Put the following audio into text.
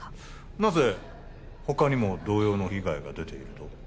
なぜ他にも同様の被害が出ていると？